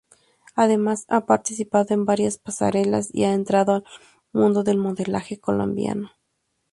Además ha participado en varias pasarelas y ha entrado al mundo del modelaje colombiano.